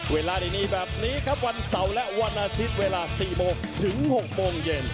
เวลาดีแบบนี้ครับวันเสาร์และวันอาทิตย์เวลา๔โมงถึง๖โมงเย็น